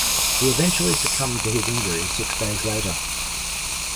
He eventually succumbed to his injuries six days later.